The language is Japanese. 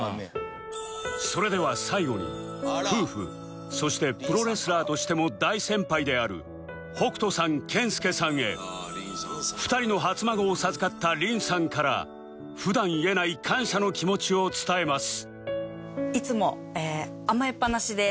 それでは最後に夫婦そしてプロレスラーとしても大先輩である北斗さん健介さんへ２人の初孫を授かった凛さんから普段言えない感謝の気持ちを伝えます